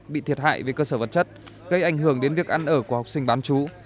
bị thiệt hại về cơ sở vật chất gây ảnh hưởng đến việc ăn ở của học sinh bán chú